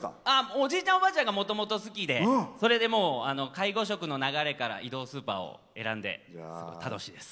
おじいちゃん、おばあちゃんがもともと好きでそれで介護職の流れから移動スーパーを選んで、楽しいです。